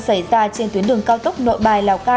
xảy ra trên tuyến đường cao tốc nội bài lào cai